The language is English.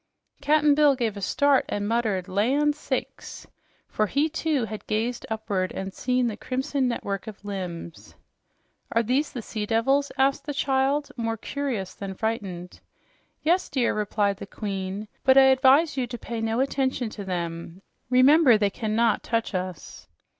Cap'n Bill gave a start and muttered "Land sakes!" for he, too, had gazed upward and seen the crimson network of limbs. "Are these the sea devils?" asked the child, more curious than frightened. "Yes, dear," replied the Queen. "But I advise you to pay no attention to them. Remember, they cannot touch us."